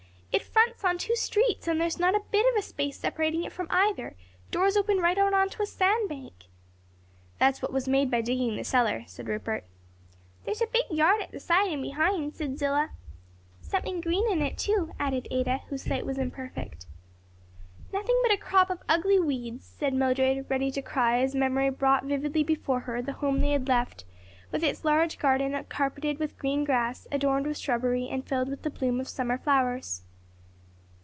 it fronts on two streets and there's not a bit of a space separating it from either; doors open right out on to a sand bank." "That's what was made by digging the cellar," said Rupert. "There's a big yard at the side and behind," said Zillah. "Something green in it, too," added Ada, whose sight was imperfect. "Nothing but a crop of ugly weeds," said Mildred, ready to cry as memory brought vividly before her the home they had left with its large garden carpeted with green grass, adorned with shrubbery and filled with the bloom of summer flowers.